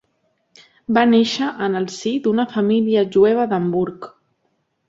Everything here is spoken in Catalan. Va néixer en el si d'una família jueva d'Hamburg.